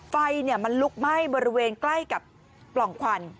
ไฟมันลุกไหม้บริเวณใกล้กับปล่องควัน